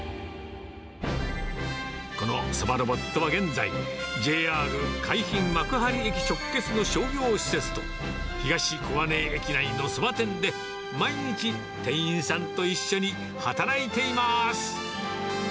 このそばロボットは現在、ＪＲ海浜幕張駅直結の商業施設と、東小金井駅内のそば店で毎日、店員さんと一緒に働いています。